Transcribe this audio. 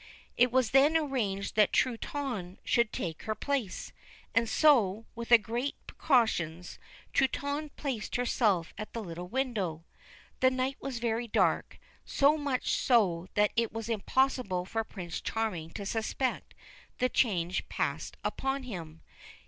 It was then arranged that Truitonne should take her place ; and so, with great precautions, Truitonne placed herself at the little window. The night was very dark ; so much so that it was impossible for Prince Charming to suspect the change passed upon him.